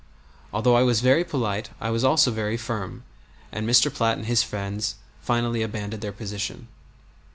Although I was very polite, I was also very firm, and Mr. Platt and his friends finally abandoned their position.